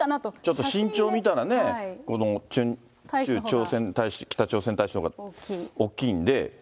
ちょっと身長見たらね、この駐朝鮮大使、北朝鮮大使のほうが大きいんで。